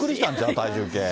体重計。